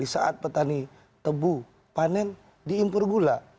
saat petani tebu panen diimpor gula